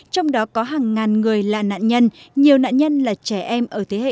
trong đó có hàng ngàn người là nạn nhân nhiều nạn nhân là trẻ em